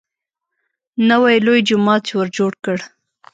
نوی لوی جومات ورجوړ کړ.